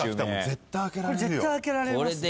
絶対開けられます。